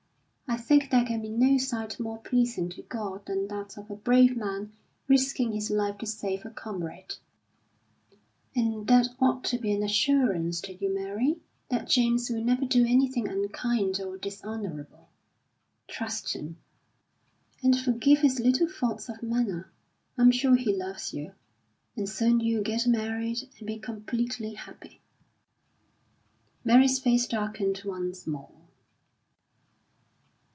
I think there can be no sight more pleasing to God than that of a brave man risking his life to save a comrade." "And that ought to be an assurance to you, Mary, that James will never do anything unkind or dishonourable. Trust him, and forgive his little faults of manner. I'm sure he loves you, and soon you'll get married and be completely happy." Mary's face darkened once more.